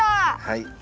はい。